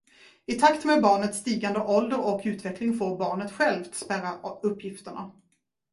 I takt med barnets stigande ålder och utveckling får barnet självt spärra uppgifterna.